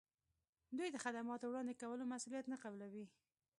دوی د خدماتو وړاندې کولو مسولیت نه قبلوي.